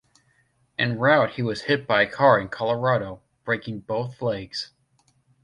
En route he was hit by a car in Colorado, breaking both legs.